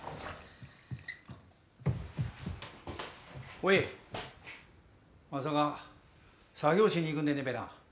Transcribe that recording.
おい、まさか作業しに行くんでねえべな？